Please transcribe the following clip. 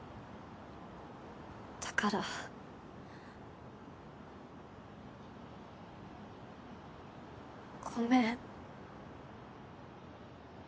だからごめん。